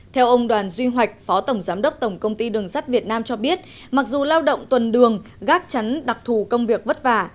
theo ông đoàn duy hoạch phó tổng giám đốc tổng công ty đường sắt việt nam cho biết mặc dù lao động tuần đường gác chắn đặc thù công việc vất vả